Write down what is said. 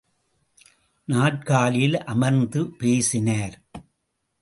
நாற்காலியில் அமர்ந்து பேசினார்.